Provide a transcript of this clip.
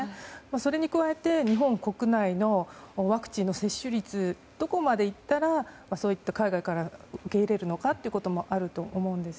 それに加えて日本国内のワクチンの接種率どこまでいったら海外から受け入れるのかということもあると思うんです。